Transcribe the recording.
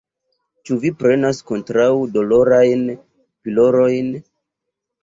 Ĉu vi prenas kontraŭ-dolorajn pilolojn?